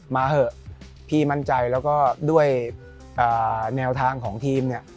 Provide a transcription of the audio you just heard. มาเถอะพี่มั่นใจแล้วก็ด้วยแนวทางของทีมเนี่ย